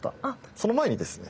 その前にですね。